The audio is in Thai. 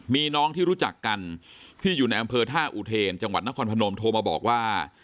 มีน้องที่รู้จักกันที่อยู่ในอำเภอท่าอุเทนจังหวัดนครพนมโทรมาบอกว่า